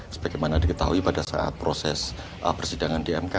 sebagaimana diketahui pada saat proses persidangan di mk